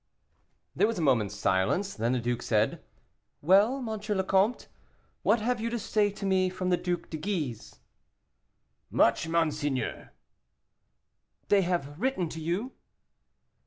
There was a moment's silence. Then the duke said: "Well, M. le Comte, what have you to say to me from the Duc de Guise?" "Much, monseigneur." "They have written to you?"